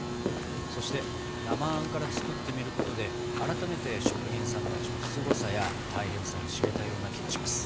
そして生あんから作ってみることで改めて職人さんたちのすごさや大変さを知れたような気がします。